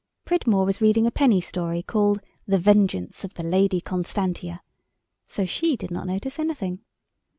Pridmore was reading a penny story called "The Vengeance of the Lady Constantia," so she did not notice anything.